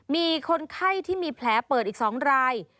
มีคนไข้ที่มีแผลเปิดอีก๒ราย